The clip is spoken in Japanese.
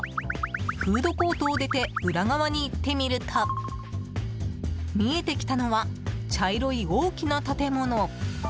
フードコートを出て裏側に行ってみると見えてきたのは茶色い大きな建物。